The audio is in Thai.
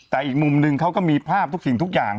แต่อีกมุมนึงเขาก็มีภาพทุกสิ่งทุกอย่าง